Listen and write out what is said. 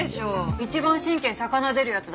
一番神経逆なでるやつだ。